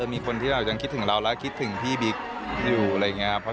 มีคนที่เรายังคิดถึงเราและคิดถึงพี่บิ๊กอยู่อะไรอย่างนี้ครับ